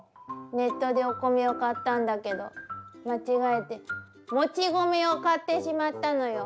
ネットでお米を買ったんだけど間違えて「もち米」を買ってしまったのよ。